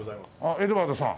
エドワードさん。